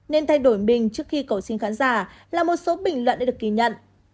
nên thay đổi mình trước khi cầu xin khán giả là một số bình luận đã được kỳ nhận